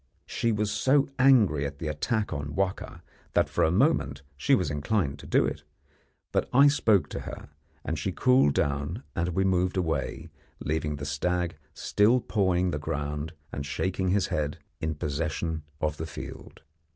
She was so angry at the attack on Wahka that for a moment she was inclined to do it, but I spoke to her, and she cooled down, and we moved away, leaving the stag, still pawing the ground and shaking his head, in possession of the field.